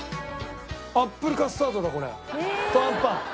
アップルカスタードだこれ。とあんパン。